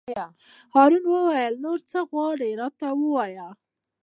هارون وویل: نور څه غواړې راته ووایه.